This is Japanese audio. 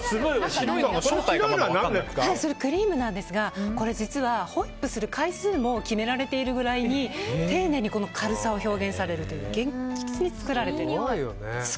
クリームなんですがホイップする回数も決められているぐらいに丁寧に軽さを表現されるという厳密に作られてる。